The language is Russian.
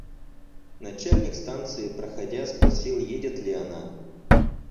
Начальник станции, проходя, спросил, едет ли она.